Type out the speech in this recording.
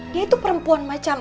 dia itu perempuan macam